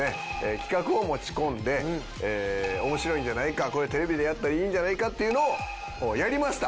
企画を持ち込んで面白いんじゃないかこれテレビでやったらいいんじゃないかっていうのをやりました。